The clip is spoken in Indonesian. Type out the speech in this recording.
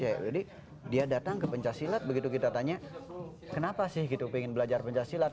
jadi dia datang ke pencak silat begitu kita tanya kenapa sih gitu ingin belajar pencak silat